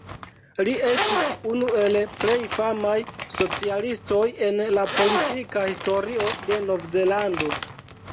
Li estis unu el plej famaj socialistoj en la politika historio de Novzelando.